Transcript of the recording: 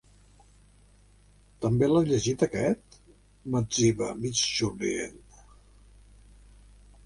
També l'has llegit, aquest? —m'etziba, mig somrient.